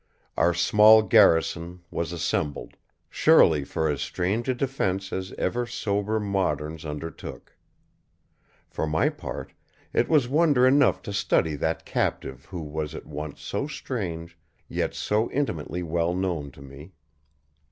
Our small garrison was assembled, surely for as strange a defense as ever sober moderns undertook. For my part, it was wonder enough to study that captive who was at once so strange yet so intimately well known to me.